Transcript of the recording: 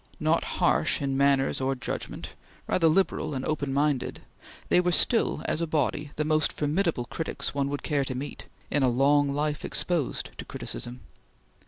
Not harsh in manners or judgment, rather liberal and open minded, they were still as a body the most formidable critics one would care to meet, in a long life exposed to criticism.